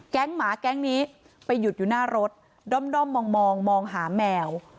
หมาแก๊งนี้ไปหยุดอยู่หน้ารถด้อมมองมองหาแมว